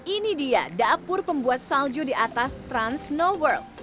ini dia dapur pembuat salju di atas trans snow world